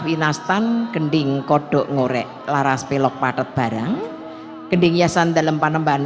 minastan kending kodok ngorek laras pelok patet barang keding yasan dan lempan emban